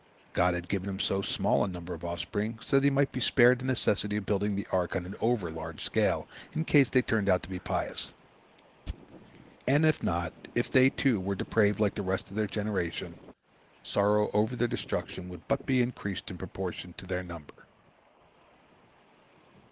God had given him so small a number of offspring that he might be spared the necessity of building the ark on an overlarge scale in case they turned out to be pious. And if not, if they, too, were depraved like the rest of their generation, sorrow over their destruction would but be increased in proportion to their number.